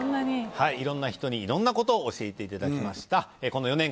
はいいろんな人にいろんなことを教えていただきました